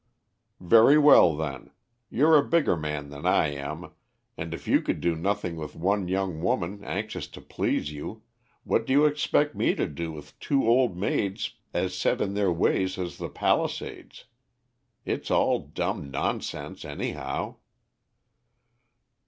"Very well, then. You're a bigger man than I am, and if you could do nothing with one young woman anxious to please you, what do you expect me to do with two old maids as set in their ways as the Palisades. It's all dumb nonsense, anyhow."